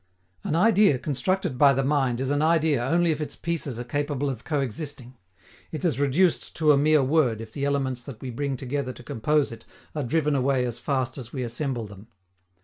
An idea constructed by the mind is an idea only if its pieces are capable of coexisting; it is reduced to a mere word if the elements that we bring together to compose it are driven away as fast as we assemble them.